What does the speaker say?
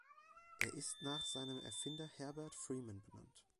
Er ist nach seinem Erfinder Herbert Freeman benannt.